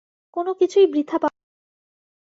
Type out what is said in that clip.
কোন কিছুই বৃথা পাওয়া যায় নাই।